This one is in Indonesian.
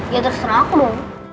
ya terserah aku